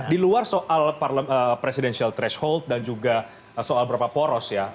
di luar soal presidensial threshold dan juga soal beberapa poros ya